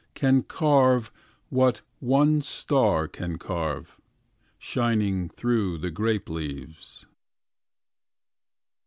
Can carve What one star can carve. Shining through the grape leaves.